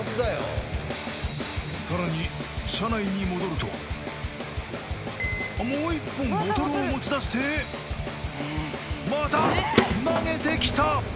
さらに車内に戻るともう一本ボトルを持ちだしてまた投げてきた！